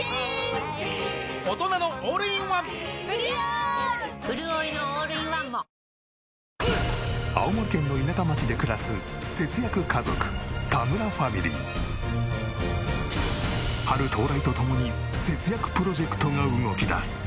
すごい！青森県の田舎町で暮らす春到来とともに節約プロジェクトが動き出す。